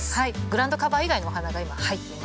グラウンドカバー以外のお花が今入ってます。